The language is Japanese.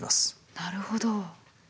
なるほど。